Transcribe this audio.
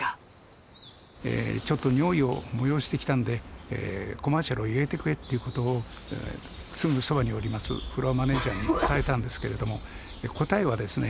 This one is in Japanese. ちょっと尿意を催してきたんでコマーシャルを入れてくれという事をすぐそばにおりますフロアマネージャーに伝えたんですけれども答えはですね